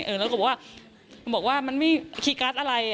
เออแล้วก็บอกว่าหนูบอกว่ามันไม่มีคีย์การ์ดอะไร